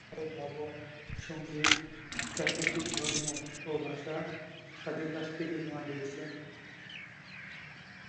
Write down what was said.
এছাড়াও, ভবন, সঙ্গীত, ক্যাথলিক ধর্ম ও ভাষা তাদের কাছ থেকেই নেয়া হয়েছে।